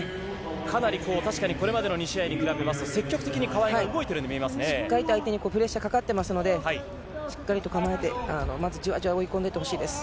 かなりこう、これまでの２試合に比べますと、積極的に川井が動いているようにしっかりと相手にプレッシャーかかってますので、しっかりと構えて、まずじわじわ追い込んでいってほしいです。